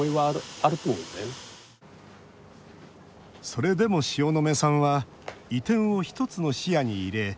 それでも塩野目さんは移転を１つの視野に入れ